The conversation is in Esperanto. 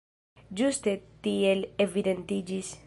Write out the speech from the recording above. Ĝuste tiel evidentiĝis.